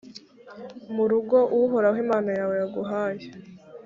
mu rugo uhoraho imana yawe yaguhaye;